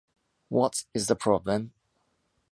What’s is the problem?